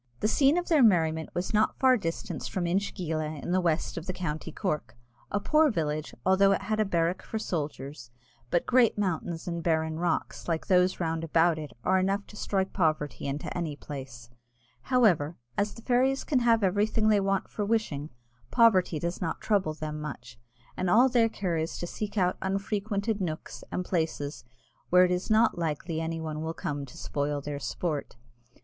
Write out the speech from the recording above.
The scene of their merriment was not far distant from Inchegeela, in the west of the county Cork a poor village, although it had a barrack for soldiers; but great mountains and barren rocks, like those round about it, are enough to strike poverty into any place: however, as the fairies can have everything they want for wishing, poverty does not trouble them much, and all their care is to seek out unfrequented nooks and places where it is not likely any one will come to spoil their sport.